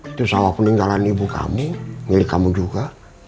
itu sawah peninggalan ibu kamu milik kamu juga